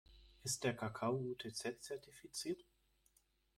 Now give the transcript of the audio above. Ist der Kakao UTZ-zertifiziert?